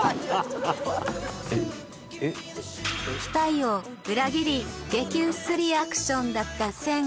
期待を裏切り激薄リアクションだった千賀。